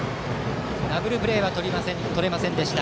ダブルプレーはとれませんでした